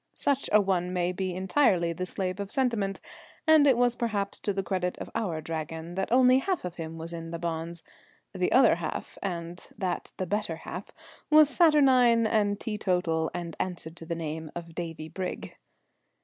Such a one may be entirely the slave of sentiment, and it was perhaps to the credit of our Dragon that only half of him was in the bonds. The other half and that the better half was saturnine and teetotal, and answered to the name of Davie Brigg.